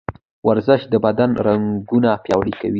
ورزش د بدن رګونه پیاوړي کوي.